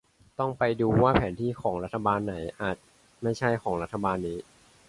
ต้องไปดูว่าแผนที่ของรัฐบาลไหน อาจไม่ใช่ของรัฐบาลนี้